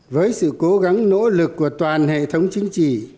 với sự cố gắng nỗ lực của toàn hệ thống chính trị